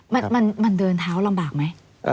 มันเดินเท้าลำบากไหม